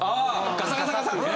ガサガサガサって？